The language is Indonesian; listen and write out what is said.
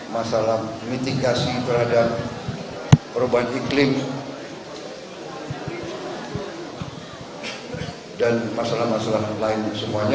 masalah mitigasi terhadap perubahan iklim dan masalah masalah lain semuanya